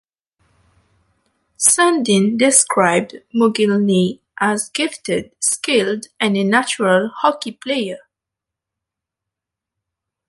Sundin described Mogilny as "gifted, skilled, and a natural hockey player".